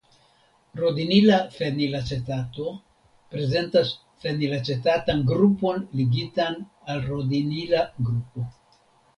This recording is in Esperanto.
Rodinila fenilacetato prezentas fenilacetatan grupon ligitan al rodinila grupo.